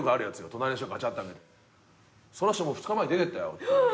隣の人ガチャって開けて「その人２日前に出てったよ」